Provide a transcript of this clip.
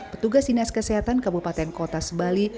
petugas dinas kesehatan kabupaten kota sebali